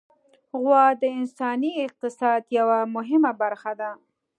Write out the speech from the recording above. غوا د انساني اقتصاد یوه مهمه برخه ده.